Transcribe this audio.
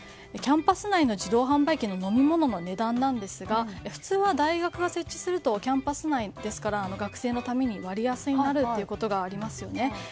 キャンパス内の自動販売機の飲み物の値段なんですが普通は大学が設置するとキャンパス内ですから学生のために割安になるということがありますよね。